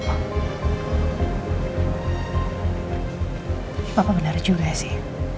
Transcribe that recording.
tapi papa benar juga sih